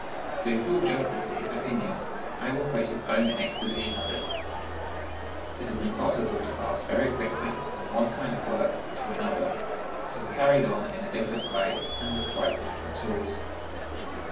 To do full justice to his opinion, I will quote his own exposition of it: "It is impossible to pass very quickly from one kind of work to another, that is carried on in a different place, and with quite different tools.